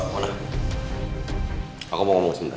mona aku mau ngomong sebentar